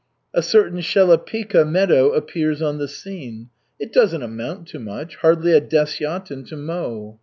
A certain Shelepikha meadow appears on the scene. It doesn't amount to much, hardly a desyatin to mow.